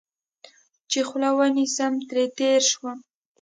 چې خوله ونیسم، ترې تېر شوم.